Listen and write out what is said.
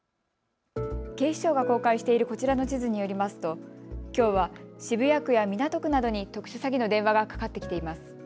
警視庁が公開しているこちらの地図によりますときょうは渋谷区や港区などに特殊詐欺の電話がかかってきています。